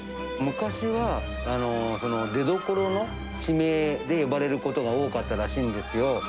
昔は出どころの地名で呼ばれることが多かったらしいんですよ。